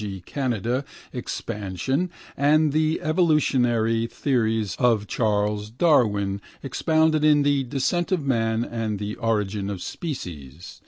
g. Canadian) expansion and the evolutionary theories of Charles Darwin, expounded in The Descent of Man and The Origin of Species.